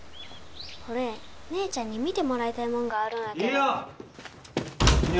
俺姉ちゃんに見てもらいたいもんがあるんやけど梨央！